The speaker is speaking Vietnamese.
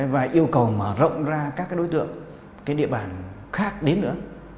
và yêu cầu mà rộng ra các đối tượng cái địa bàn khác đến nữa